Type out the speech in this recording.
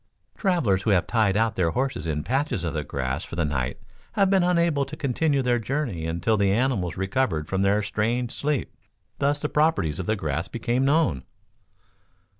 "Travelers who have tied out their horses in patches of the grass for the night have been unable to continue their journey until the animals recovered from their strange sleep. Thus the properties of the grass became known."